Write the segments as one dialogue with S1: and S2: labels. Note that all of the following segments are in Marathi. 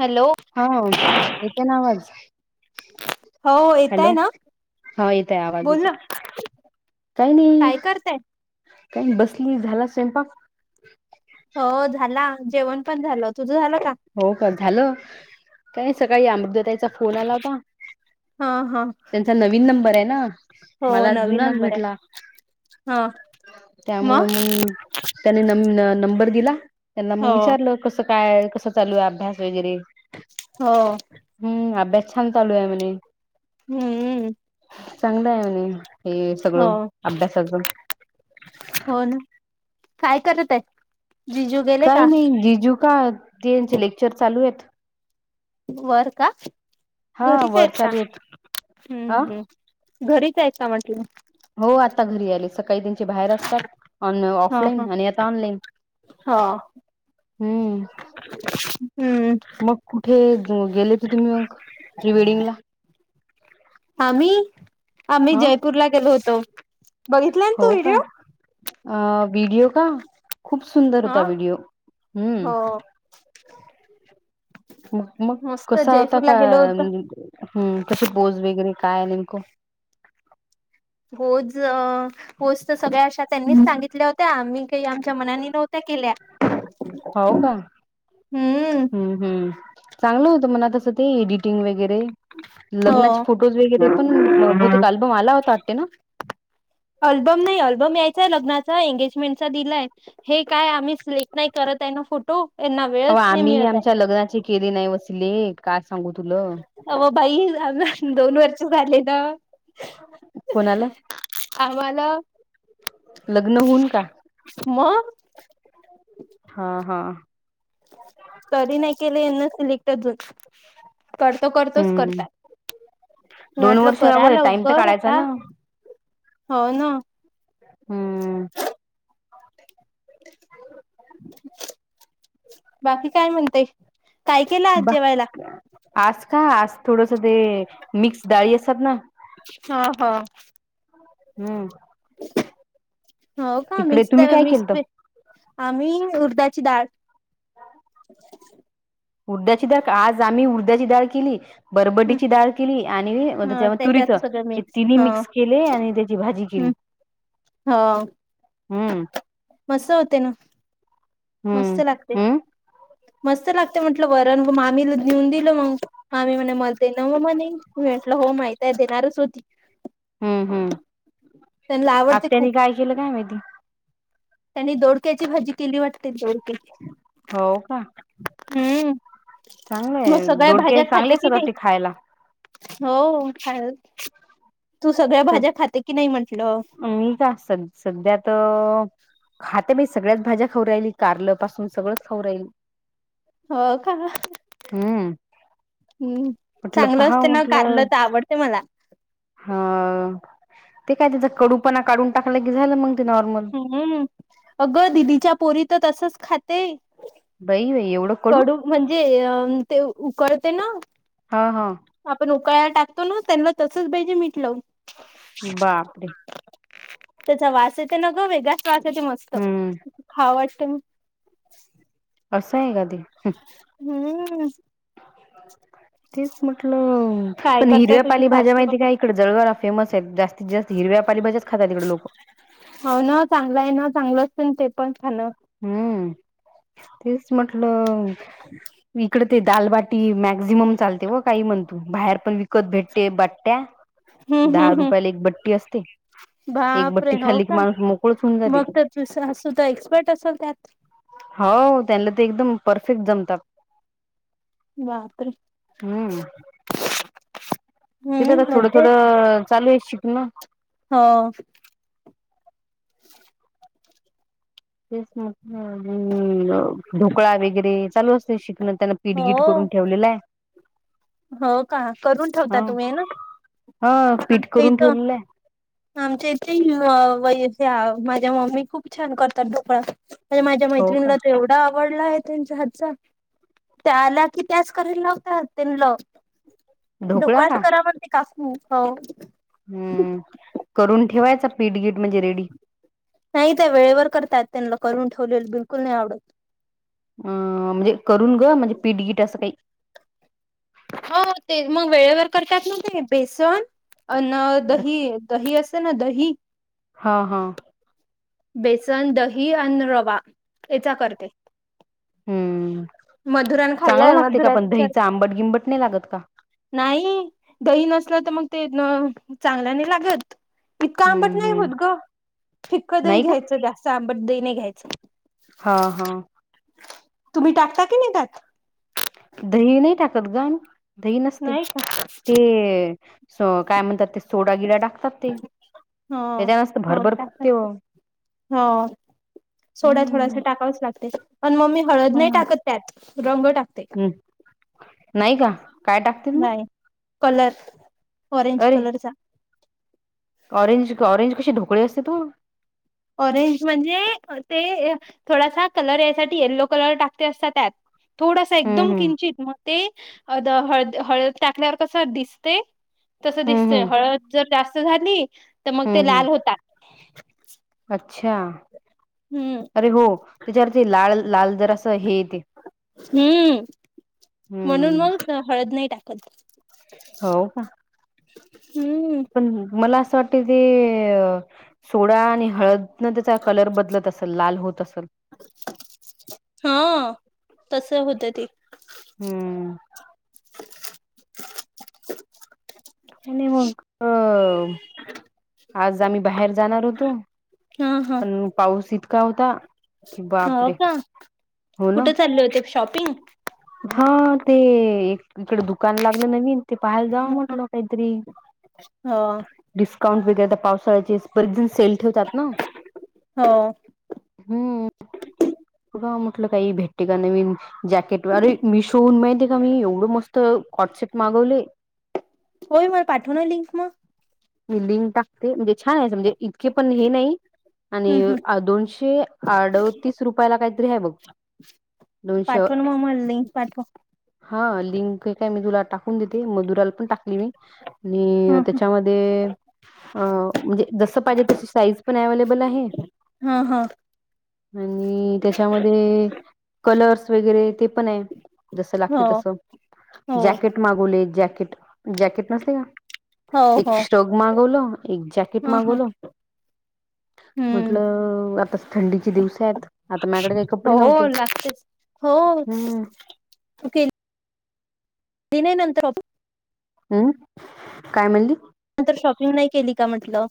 S1: हॅलो.
S2: हा इथ नावाज
S1: हो येतय
S2: हॅलो
S1: ना
S2: हा येत आहे आवाज
S1: बोल
S2: येत.
S1: ना
S2: काही नाही
S1: काय करताय
S2: काही बसली झाला स्वयंपाक.
S1: हो झाला जेवण पण झालं तुझं झालं का
S2: हो का झालं का सकाळी अमृतताचा फोन आला होता
S1: हा हा
S2: त्यांचा नवीन नंबर आहे ना
S1: हो
S2: मला
S1: नवीन
S2: जुनाच
S1: नंबर आहे
S2: भेटला
S1: हा
S2: त्यामुळं मग. त्यांनी न नंबर दिला त्यांना
S1: हो
S2: मग विचारलं कसं काय कसं चालू आहे अभ्यास वगैरे
S1: हो.
S2: हम आ बेछान चालु आहे म
S1: हम्म
S2: चांगलं आहे म्हणे हे
S1: हो
S2: सगळं अभ्यासाच.
S1: हो ना काय करत आहे जिजू. गेले का
S2: काही नाही जिजू का तेचे लेक्चर चालू आहेत.
S1: वर का
S2: हा
S1: घरीच
S2: वर
S1: आहेत का
S2: चालू हा
S1: हम्म हम् घरीचय का म्हटलं.
S2: हो आता घरी आले सग काही त्यांचे बाहेर असतात
S1: हा हा
S2: ऑफलाईन आणि आता ऑनलाईन
S1: हो हम्म
S2: मग कुठे गेले त तुम्ही मग प्रीवेडिंगला
S1: आम्ही आम्ही
S2: हा
S1: जयपूरला गेलो होतो बघितला ना
S2: हो
S1: तू
S2: का
S1: व्हिडिओ
S2: अ व्हिडिओ का खूप सुंदर
S1: हा
S2: होता व्हिडीओ
S1: हो
S2: हम्म मग मग
S1: मस्त
S2: कसा होता
S1: जयपूरला
S2: का
S1: गेलो होतो
S2: कशी बोज वगैरे काय नेमकं
S1: होच. होस्त सगळ्या अशा त्यांनीच सांगितल्या होत्या आम्ही काही आमच्या मनानी नव्हत्या केल्या.
S2: होव का हम्म. हम्म चांगलं होतं मणा तसं ते एडिटिंग वगैरे लग्नाचे
S1: हो.
S2: फोटोज वगैरे पण बहुतेक आल्बम आला होता वाटते ना
S1: अल्बम नाही अल्बम यायचाय लग्नाचा एंगेजमेंटचा दिलाय. हे काय आम्ही सिलेक्ट नाही करत आहे ना फोटो. यांना
S2: अ
S1: वेळच नाही
S2: आम्ही
S1: मिळत आहे.
S2: आमच्या लग्नाची केली नाही वसले काय सांगू तुला.
S1: अव बाई आ दोन वर् चूघ आले ना.
S2: कोणाला
S1: आम्हाला
S2: लग्न होऊन का
S1: मग
S2: हा हा.
S1: तरी नाही केलेना सिलेक्टून करतो करतोच
S2: हम्म
S1: करतात.
S2: दोन
S1: म्हटलं
S2: वर्ष हवं
S1: कराला
S2: टाइम तर
S1: अवघं
S2: काढायचा
S1: आता
S2: ना
S1: हो ना.
S2: हम्म.
S1: बाकी काय म्हणतेय काय केला आज
S2: बा
S1: जेवायला
S2: आज का आज थोडस ते मिक्स डाळी असात ना
S1: हा हा
S2: हम्म.
S1: हो का
S2: तिकडे
S1: मिक्स
S2: तुम्ही काय
S1: मिक्स
S2: केलत
S1: आम्ही उरधची डाळ.
S2: ह.
S1: अच्
S2: उडद्याची डाळ आज आम्ही उडद्याची डाळ केली बरबटी डाळ केली. आणि
S1: ह
S2: त्यामध्ये तुरीत
S1: त्याच्यात सगळं मिक्स
S2: तिन्ही
S1: ह
S2: मिक्स केले आणि त्याची भाजी केली.
S1: हा
S2: हम्म
S1: मस् होते ना मस्त
S2: हम्म
S1: लागते
S2: हम्म
S1: मस्त लागते म्हंटलं वरण मामीला लेऊन दिलं मग हा म्ही म्हणे मत ना मग मणे म्हटलं हो माहती आहे देणारच होती.
S2: हम्म हम्म
S1: त्यांना आवडते
S2: आत्यानी
S1: खूप
S2: काय केलं काय माहिती.
S1: त्यांनी दोडक्याची भाजी केली वाटते दोडक्याची.
S2: हो का.
S1: हम्म मग
S2: चांगलंय
S1: सगळ्या
S2: दोडके
S1: भाज्या
S2: चांगले
S1: खाते
S2: असतात
S1: कि नाही.
S2: वाटते खायला
S1: हो ख तू सगळ्या भाज्या खाते की नाही म्हंटलं.
S2: मी का स सध्यात खाते मी सगळ्याच भाज्या खाऊ राहिली कारल पासून सगळंच खाऊ राहिली.
S1: हो का हम्म
S2: म्हटलं
S1: चांगलं
S2: पहाव
S1: असते ना कारलं
S2: म्हटलं
S1: तर आवड ते मला
S2: हा ते काय तिचा कडूपणा काढून टाकलं की झालं मग ते नॉर्मल.
S1: हम्म अगं दिलीच्या पोरी तर तसच खाते
S2: बई बई एवढं.
S1: कडू म्हणजे ते उकडते ना
S2: हा हा.
S1: आपण उकळयला टाकतो ना त्यांना तसच पाहिजे मीठ लावून
S2: बापरे.
S1: त्याचा वास येत न ग वेगळच वासा येत मस्त
S2: हम्म
S1: खाव वाटते म
S2: असं आहे का ते.
S1: हम्म.
S2: तेच म्हटलं.
S1: काय
S2: पण
S1: करताय
S2: हिरव्या
S1: तुझी
S2: पाले भाज्या
S1: सासू
S2: माहिती काय
S1: वगैरे
S2: इकडे जळगावला फेमस आहेत जास्तीत जास्त हिरव्या पालीभज्याच खातात इकडे लोक.
S1: हो ना चांगलं आहे ना चांगलं असे ते पण खान
S2: हम्म तेच म्हटलं इकडे दालबाटी मॅक्झिमम चालते व काही म्हणत बाहेर पण वी इकत भेटते बट्ट्या
S1: हम्म
S2: दहा
S1: हम्म हम्म
S2: रुपयाला एक बट्टी असते. एक
S1: बापरे
S2: बट्टी खाल्ली की माणूस मोकळच होऊन जाते.
S1: तुझी सासू तर एक्सपर्ट असेल त्यात
S2: हो त्यांना ते एकदम परफेक्ट जमतात.
S1: बापरे.
S2: हम्म ते ज
S1: हम्म
S2: थोडं
S1: मज्जा
S2: थोडं चालू आहे शिकन.
S1: हा.
S2: तेच म हा. हम्म ढोकळा वगैरे चालू असते शिकणं त्यांना पिठगीट
S1: हो
S2: करून ठेवलेला आहे.
S1: हो का करून ठेवता
S2: ह
S1: तुम्ही हेना
S2: ह पीठ
S1: आमच्या
S2: करून
S1: इथ.
S2: ठेवलेलं आहे
S1: आमच्या इथे व माझ्या मम्मी खूप छान करतात ढोकळा. म्हण माझ्या
S2: हो का
S1: मैत्रिणीला तेव आवडला आहे त्यांच्या हातचा त्या आला की त्याच कयला लागता त्यां ल
S2: ढोकळा
S1: ढोकळच
S2: का
S1: करावर ते काकू हो.
S2: हम्म करून ठेवायचा पीठगीट म्हणजे रेडी
S1: नाही त्या वेळेवर करतात त्यांना करून ठेवलेलं बिलकुल नाही आवडत.
S2: अं म्हणजे करून ग म्हणजे पीठगिट असं काही.
S1: हो ते मग वेळेवर करतात ना ते बेसन अन दही दही असे ना दही अ
S2: हा हा.
S1: बेसन दही आणि रवा याचा करते.
S2: हम्म
S1: मधुरान
S2: चांगला
S1: खाल्लाय
S2: लागते का
S1: मधुरा
S2: पण
S1: विचार
S2: दहीचा आंबट गिंबट नाही लागत का.
S1: नाही दही नसलं तर मग ते चांगल नाही लागत. इतकं आंबट
S2: हम्म
S1: नाही
S2: हम्म
S1: होत ग फिक्कं दही
S2: नाही का
S1: घ्यायचं जास्त आंबट दही नाही घ्यायचं.
S2: हा हा.
S1: तुम्ही टाकता की नेतात
S2: दही नाही टाकत ग म दही नसते
S1: नाही का
S2: ते स काय म्हणात ते सोडा गिडा टाक ते
S1: ह.
S2: त्याच्या नसत
S1: हो
S2: भरभर फुगते हो
S1: टाकतात हो सोडा थोडासा टाकावच लागते पण मग मी हळद नाही टाकत त्यात रंग टाकत
S2: हम् नाही का काय टाकतील मग
S1: नाही कलर ऑरेंज
S2: अरे
S1: कलरचा
S2: ऑरेंज ऑरेंज कसे ढोकळे असते तू
S1: ऑरेंज म्हणजे ते थोडासा कलर यायसाठी येल्लो कलर टाकते असता त्यात थोडासा एकदम
S2: हम्म हम्म
S1: किंचित मग ते हळद हळद टाकल्यावर कस दिसते तस
S2: हम्म
S1: दिसते
S2: हम्म
S1: हळद जर जास्त झाली तर मग ते
S2: हम्म
S1: लाल
S2: हम्म
S1: होतात
S2: अच्छा
S1: हम्म
S2: अरे हो त्याच्यावरती लाल लाल जरा असं हे य ते
S1: हम् म्हणून
S2: हम्म
S1: मग हळद नाही टाकत
S2: हो का
S1: हम्म
S2: पण मला असं वाटत ते सोडा आणि हळदन त्याचा कलर बदलत असेल लाल होत असल
S1: हा तस होतं ते
S2: हम्म नाही मग अ आज आम्ही बाहेर जाणार होतो
S1: हा हा
S2: पण पाऊस इतका होता कि
S1: हो
S2: बापरे
S1: का
S2: हो ना
S1: कुठे चालले होते शॉपिंग
S2: हा ते एक इकड दुकान लागलं नवीन ते पाहायला जावं
S1: हो
S2: म्हटलं काहीतरी डिस्काउंट वगैरे तर पावसाळ्याचे बेच जण सेल ठेवतात ना
S1: हो
S2: हम्म त का म्हटलं काही भेटते का नवीन जॅकेट अरे मी शोून माहिती आहे का मी एवढं मस्त हॉटसेट मागवले
S1: होय मला पाठव ना लिंक म
S2: बिल्डिंग टाकते म्हणजे छान आहे सजे इतके पण हे नाही
S1: हम्म
S2: आणि
S1: हम्म
S2: दोनशे अडतीस रुपयाला काहीतरी आहे बघ दोनशे
S1: पाठव न मामल दई पाठव
S2: हा लिंक काय मी तुला टाकून देते मधुराला पण टाकली मी आणि
S1: ह
S2: त्याच्यामध्ये म्हणजे जस पाहिजे तशी साईज पण अवलेबल आहे
S1: हा हा
S2: आणि त्याच्यामध्ये कलर्स वगैरे ते पण आहे जसं
S1: हो
S2: लागते तसं
S1: हो
S2: जॅकेट मागवले जॅकेट जॅकेट नसते का
S1: हो
S2: एक
S1: हो
S2: श्रक मागवलो एक जॅकेट
S1: ह ह
S2: मागवलो
S1: [inaudible]
S2: म्हटलं आता थंडीचे दिवस आहेत आता माझ्याकडे काही कपडे
S1: हो
S2: नव्हते
S1: लागतेच हो
S2: हम्म
S1: दिना नंतर
S2: हम्म काय म्हणली
S1: नंतर शॉपिंग नाही केली का म्हटलं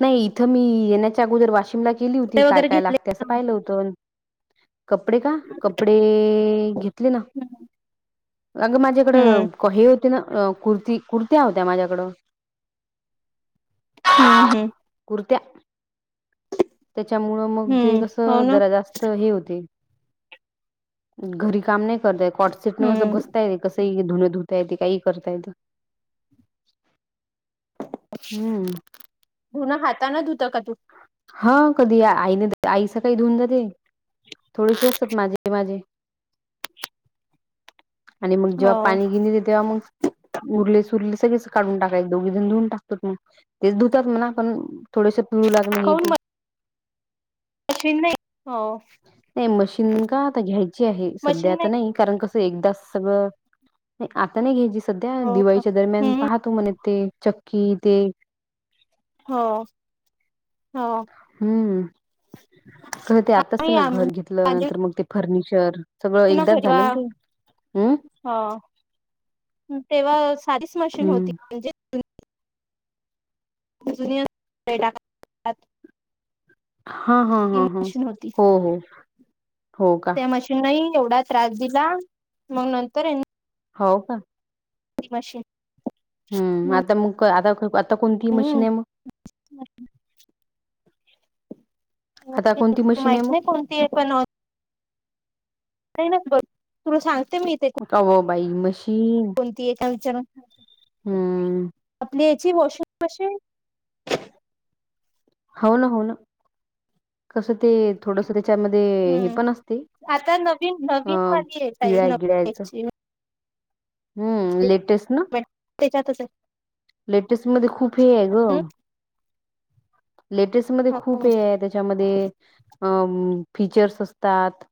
S2: नाही इथं मी येण्याच्या अगोदर वाशिमला गेली होती
S1: ते
S2: काय
S1: वगैरे
S2: काय
S1: घेतले
S2: लागते असं पाहिलं होतं कपडे का कपडे घेतले ना अग
S1: हम्म
S2: माझेकडें कऊ कुर्ती कुर्ती होत्या माझ्याकड
S1: हम्म हम्
S2: कुृत्या त्याच्यामुळ मग जे
S1: हम्म हो
S2: कसं
S1: ना
S2: जरा जास तर हे होते. घरी काम नाय करता येत कॉटसीट
S1: हम्म
S2: बसताय कसई धुन धुता येते काई करता येते. हम्म
S1: [inaudible] धुन हाताने धुता का तू
S2: हा कधी आईने आई सकाळी धुऊन जाते. थोडीशी असतात माझे माझे. आणि मग जेव्हा
S1: हो
S2: पाणी घेऊन येते तेव्हा मग उरले सुरले सगळेच काढून टाकायच दोघेजण धुऊन टाकतात मग. ते धुतात म्हणा पण थोडेसे पिळू लागण हे ते.
S1: [inaudible] मशीन नाही हो
S2: नाई मशीन का आता घ्यायची आहेच सध्या
S1: मशीन
S2: त
S1: नाही
S2: नाई. कारण कसं एकदाच सगळं आता नाय घ्यायची सध्या
S1: हो का
S2: दिवाळीच्या दरम्यान
S1: हम्म
S2: पाहतो म्हणे ते, चक्की ते
S1: हो, हो.
S2: हम्म खर ते आताच
S1: नाही
S2: तिन घर
S1: आम्ही
S2: घेतलं,
S1: आली
S2: नंतर मग ते फर्निचर सगळं
S1: होती ना घरी
S2: एकदाच
S1: तेव्हा
S2: झालंन ते अम
S1: हो तेव्हा सादिच मशीन होती म्हणजे [unintelligible]
S2: हा, हा,
S1: ती
S2: हा, हा,
S1: मशीन होती
S2: हो, हो. हो का
S1: त्या मशीनही एवढा त्रास दिला. मग नंतर ह्या
S2: हो का
S1: मशीन
S2: हम्म आता मग आता आता कोणती मशीन
S1: हम्म
S2: आय मग आता कोणती
S1: [unintelligible]
S2: मशीन आहे
S1: माहित नाइ
S2: मग
S1: कोणतीय पण नाही ना बघ तुला सांगते मी ते
S2: [unintelligible] बाई मशी
S1: कोणती एका विचारा
S2: हम्म
S1: आपली याची वॉशिंग मशीन
S2: हो ना, हो ना कसं ते थोडस त्याच्यामध्ये हे पण
S1: हम्म
S2: असते
S1: आता नवीन
S2: अ
S1: नवीन वाली येत आहे ताई
S2: पिळाय
S1: नवीन
S2: गिळायचं
S1: ची
S2: हम्म लेटेस्ट न
S1: त्याच्यातचय
S2: लेटेस्ट मध्ये खूप हेय ग
S1: हम्म,
S2: लेटेस्ट मध्ये खूप हे
S1: हो
S2: हाय त्याच्यामध्ये फीचर्स असतात.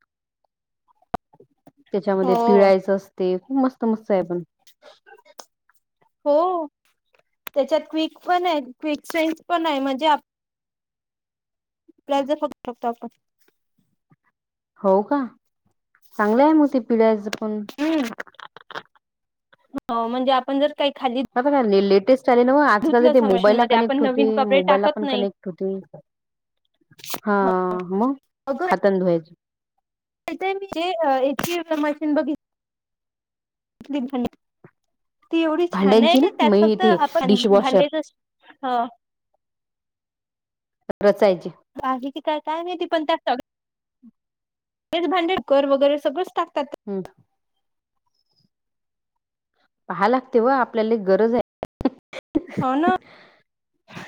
S2: त्याच्यामध्ये
S1: हो
S2: पिळायचं असते, खूप मस्त मस्त आहे पण.
S1: हो त्याच्यात क्विक पणय क्विक सेन्स पण हाय म्हणजे आ प्लाझ फक्त [unintelligible]
S2: हो का चांगलंय मग ते पिळायचं पण.
S1: हम्, हो म्हणजे आपण जर काही खाली
S2: [unintelligible] लेटेस्ट चाले नव्ह आजकाल
S1: धुतलं
S2: तर ते
S1: असं मशीन
S2: मोबाईलला
S1: मध्ये आपण
S2: कनेक्ट
S1: नवीन
S2: होते,
S1: कपडे
S2: मोबाईलला
S1: टाकत
S2: पण
S1: नाही
S2: कनेक्ट होते. हा
S1: हो.
S2: म
S1: अगं
S2: हाताने धुवायच
S1: [unintelligible] ती एवडी छानय
S2: भांड्यांची ना
S1: का त्यात
S2: मी
S1: फक्त
S2: ते
S1: आपण भांडे
S2: डिशवॉशर
S1: अ
S2: रचायची
S1: बागीची काय काय माहिती [unintelligible] तेच भांडे कर वगैरे सगळंच टाकतात
S2: हम्म पहाय लागतय व आपल्याला एक गरज
S1: हो ना.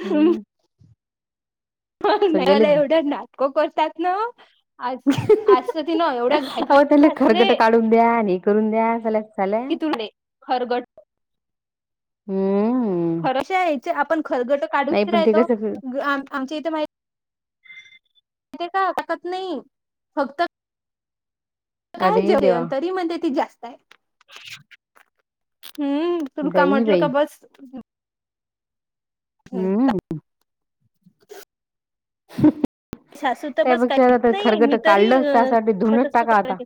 S2: हम्म!
S1: मग नाही
S2: सगळ्याले
S1: मला एवढं नाटकंतात ना? आज आज तीला
S2: अ त्याला खरगट
S1: [unintelligible]
S2: काढून द्या नि करून द्या चला चालय.
S1: तुले खरगट
S2: हम्म!
S1: क आपण खलगट
S2: नाही
S1: काढूच
S2: पण ते
S1: राहतो,
S2: कसं
S1: आमच्या इथे माहि य का टाकत नाही फक्त काय
S2: अरे देवा
S1: जयंतरी म्हण ती जास्त आहे. हम्म! तु काय
S2: बाई
S1: म्हटलं
S2: बाई
S1: का बस.
S2: हम्!
S1: सासू तर बस
S2: त्यापेक्षा
S1: काही
S2: आता तर
S1: नाही
S2: खरगट
S1: मी तरी
S2: काढलंच,
S1: अं,
S2: त्यासाठी
S1: टाकत
S2: धुनच
S1: असतो
S2: टाका
S1: काय
S2: आता
S1: ते.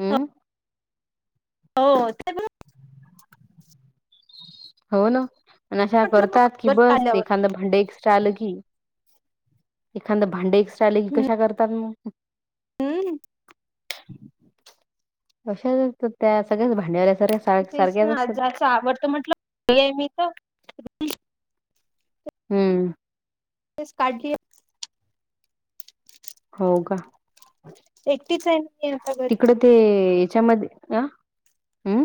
S2: हम्!
S1: हो ते,
S2: हो ना! आशा
S1: म्हटलं मग
S2: करतात की
S1: खरगट काढल्यावर
S2: एखादं भांड आलं की. एखाद भांडजास्त आलं की मग कशा करतात त्या.
S1: हम!
S2: अशाच असतात. सगळ्या भांड्या वाल्या
S1: ज्याचं त्याचं आवडतं नेहमीच.
S2: हं.
S1: काढली [unintelligible]
S2: हो का!
S1: एकटीच आहे ना मी आता घरी.
S2: तिकडे ते ह्याच्यामध्ये अ. ह.